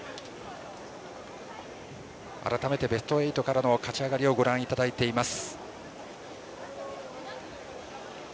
改めてベスト８からの勝ち上がりをご覧いただいております。